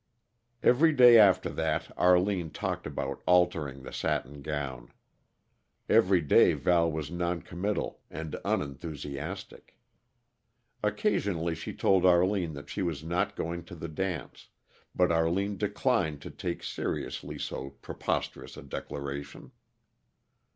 Every day after that Arline talked about altering the satin gown. Every day Val was noncommittal and unenthusiastic. Occasionally she told Arline that she was not going to the dance, but Arline declined to take seriously so preposterous a declaration.